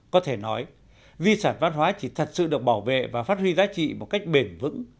có thể nói di sản văn hóa chỉ thật sự được bảo vệ và phát huy giá trị một cách bền vững